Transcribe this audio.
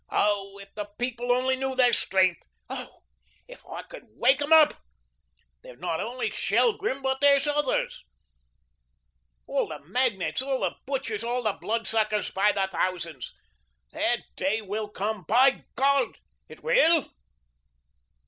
Oh, if the people only knew their strength. Oh, if I could wake 'em up. There's not only Shelgrim, but there's others. All the magnates, all the butchers, all the blood suckers, by the thousands. Their day will come, by God, it will."